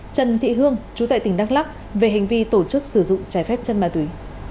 trần thị hương chú tại tỉnh đắk lắc về hành vi tổ chức sử dụng trái phép chân ma túy